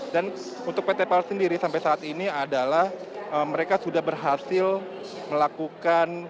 dan untuk pt pal sendiri sampai saat ini adalah mereka sudah berhasil melakukan